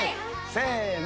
せの。